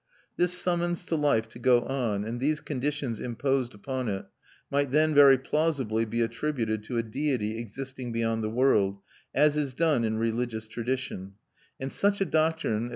This summons to life to go on, and these conditions imposed upon it, might then very plausibly be attributed to a Deity existing beyond the world, as is done in religious tradition; and such a doctrine, if M.